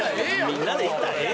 みんなで行ったらええやん。